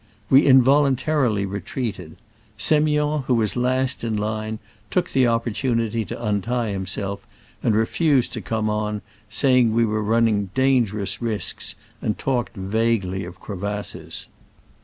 We involuntarily retreated. S6miond, who was last in the line, took the opportunity to untie himself, and refused to come on, said we were run ning dangerous risks, and talked vague ly of crevasses.